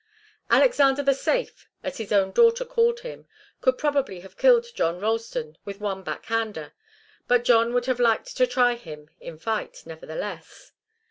Alexander the Safe, as his own daughter called him, could probably have killed John Ralston with one back hander, but John would have liked to try him in fight, nevertheless.